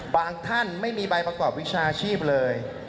ท่านไม่มีใบประกอบวิชาชีพเลย